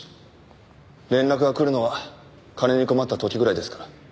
連絡が来るのは金に困った時ぐらいですから。